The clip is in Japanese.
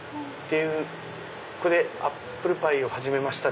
ここでアップルパイを始めました？